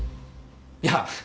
いや。